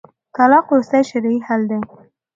طلاق وروستی شرعي حل دی